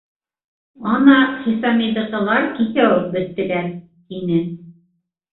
Ана Хисамиҙыҡылар кисә үк бөттөләр, — тине.